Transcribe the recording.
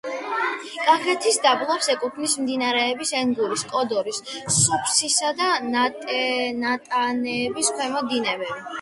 კოლხეთის დაბლობს ეკუთვნის მდინარეების ენგურის, კოდორის, სუფსისა და ნატანების ქვემო დინებები.